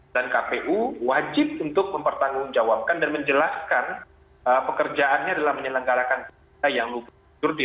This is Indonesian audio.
dan kpu wajib untuk mempertanggungjawabkan dan menjelaskan pekerjaannya dalam penyelenggaraan kita yang lupa